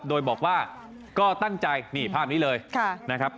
โดยบอกว่าก็ตั้งใจนี่ภาพนี้เลยนะครับ